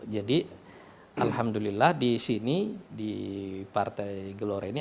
jadi alhamdulillah di sini di partai gelora ini